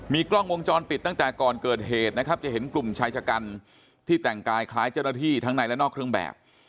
กล้องวงจรปิดตั้งแต่ก่อนเกิดเหตุนะครับจะเห็นกลุ่มชายชะกันที่แต่งกายคล้ายเจ้าหน้าที่ทั้งในและนอกเครื่องแบบ